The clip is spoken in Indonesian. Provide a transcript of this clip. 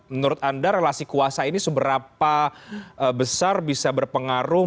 menurut anda relasi kuasa ini seberapa besar bisa berpengaruh